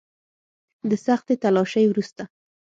د سختې تلاشۍ وروسته.